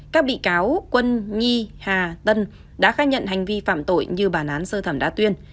các bị cáo quân nhi hà tân đã khai nhận hành vi phạm tội như bản án sơ thẩm đã tuyên